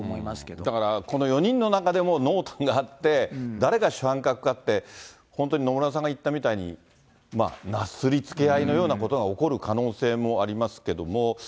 だからこの４人の中でも濃淡があって、誰が主犯格かって、本当に野村さんが言ったみたいに、なすりつけ合いのようなことが起こる可能性もありますけど。